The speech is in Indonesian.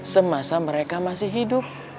semasa mereka masih hidup